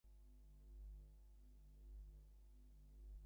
Police সম্পর্কে সাধারণ মানুষের প্রচলিত ধারণার সঙ্গে আমার ধারণার মিল নেই।